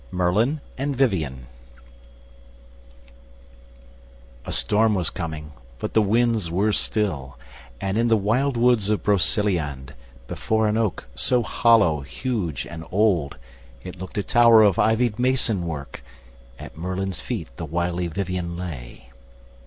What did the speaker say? Merlin and Vivien A storm was coming, but the winds were still, And in the wild woods of Broceliande, Before an oak, so hollow, huge and old It looked a tower of ivied masonwork, At Merlin's feet the wily Vivien lay.